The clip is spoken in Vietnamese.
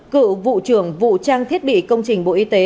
cựu vụ trưởng vụ trang thiết bị công trình bộ y tế